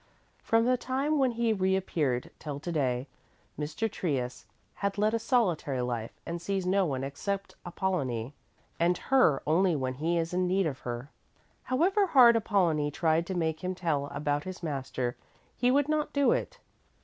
From the time when he reappeared till to day, Mr. Trius has led a solitary life and sees no one except Apollonie, and her only when he is in need of her. However hard Apollonie tried to make him tell about his master, he would not do it.